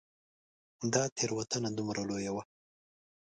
دا تېروتنه دومره لویه وه.